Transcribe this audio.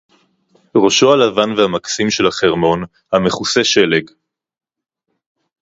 רֹאשׁוֹ הַלָּבָן וְהַמַּקְסִים שֶׁל הַחֶרְמוֹן, הַמְכֻסֶּה שֶׁלֶג